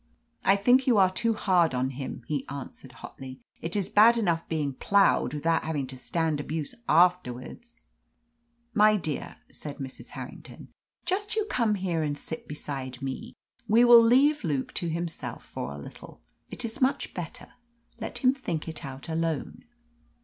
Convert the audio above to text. "I think you are too hard on him," he answered hotly. "It is bad enough being ploughed, without having to stand abuse afterwards." "My dear," said Mrs. Harrington, "just you come here and sit beside me. We will leave Luke to himself for a little. It is much better. Let him think it out alone."